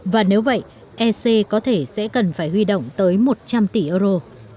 và nếu vậy ec có thể sẽ cần phải huy động tới một trăm linh tỷ euro